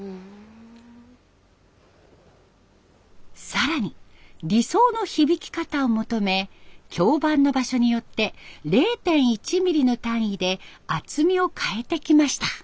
更に理想の響き方を求め響板の場所によって０．１ミリの単位で厚みを変えてきました。